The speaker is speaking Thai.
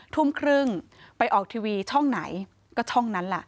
ทุ่มครึ่งไปออกทีวีช่องไหนก็ช่องนั้นล่ะ